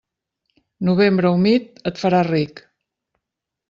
Novembre humit, et faràs ric.